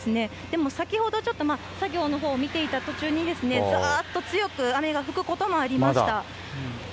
でも先ほど、ちょっと作業のほうを見ていた途中に、ざーっと強く雨が降ることもありました。